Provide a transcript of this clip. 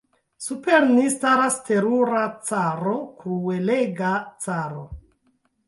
Super ni staras terura caro, kruelega caro.